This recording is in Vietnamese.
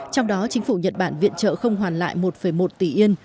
trong đó chính phủ nhật bản viện trợ không hoàn lại một một tỷ yên